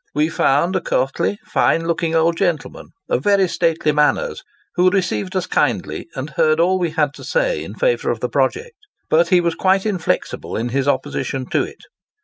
We found a courtly, fine looking old gentleman, of very stately manners, who received us kindly and heard all we had to say in favour of the project. But he was quite inflexible in his opposition to it.